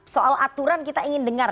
soal aturan kita ingin dengar